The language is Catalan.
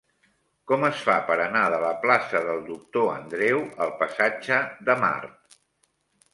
Com es fa per anar de la plaça del Doctor Andreu al passatge de Mart?